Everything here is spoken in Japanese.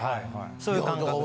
そういう感覚で。